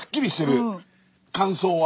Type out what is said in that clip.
感想は。